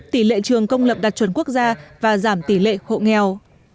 tỷ lệ trường công lập đạt chuẩn quốc gia và giảm tỷ lệ hộ nghèo